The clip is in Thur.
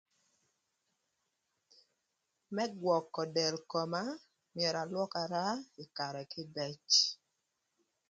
Më gwökö del koma myero alwökara karë kïbëc